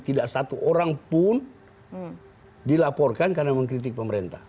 tidak satu orang pun dilaporkan karena mengkritik pemerintah